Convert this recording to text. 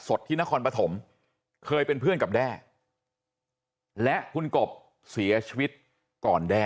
ที่นครปฐมเคยเป็นเพื่อนกับแด้และคุณกบเสียชีวิตก่อนแด้